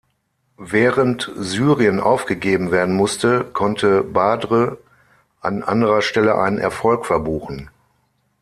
Während Syrien aufgegeben werden musste, konnte Badr an anderer Stelle einen Erfolg verbuchen.